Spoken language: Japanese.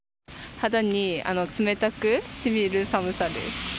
肌に冷たくしみる寒さです。